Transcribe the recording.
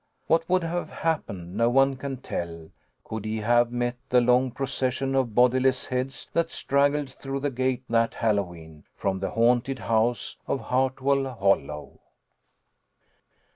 What would have happened no one can tell, could he have met the long pro cession of bodiless heads that straggled through the gate that Hallowe'en, from the haunted house of Hartwell Hollow.